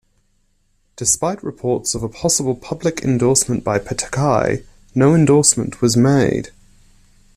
Despite reports of a possible public endorsement by Pataki, no endorsement was made.